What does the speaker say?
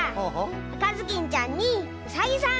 あかずきんちゃんにうさぎさん！